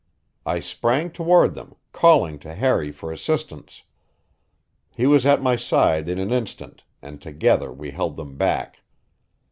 I sprang toward them, calling to Harry for assistance. He was at my side in an instant, and together we held them back.